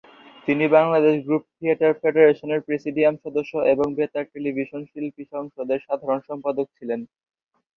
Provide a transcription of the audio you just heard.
তিনি Bangladesh group theatre ফেডারেশনের presidium সদস্য এবং বেতার টেলিভিশন শিল্পী সংসদের সাধারণ সম্পাদক ছিলেন।